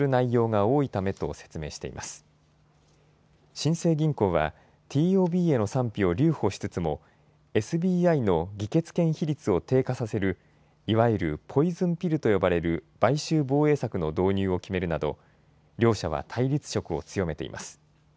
新生銀行はＴＯＢへの賛否を留保しつつもＳＢＩの議決権比率を低下させるいわゆるポイズンピルと呼ばれる買収防衛策の導入を決めるなど両社は対立色を強めています。